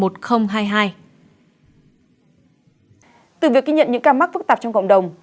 từ việc ghi nhận những ca mắc phức tạp trong cộng đồng